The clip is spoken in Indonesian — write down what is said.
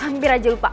hampir aja lupa